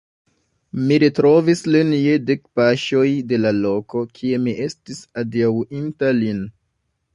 Mi retrovis lin je dek paŝoj de la loko, kie mi estis adiaŭinta lin.